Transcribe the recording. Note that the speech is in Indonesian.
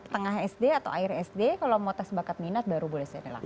tengah sd atau akhir sd kalau mau tes bakat minat baru boleh sedelah